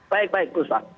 baik baik puspa